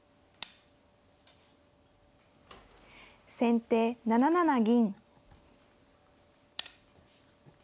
先手７七銀。